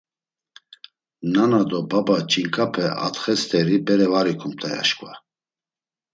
Nana do baba ç̌inǩape atxe st̆eri bere var ikumt̆ey aşǩva.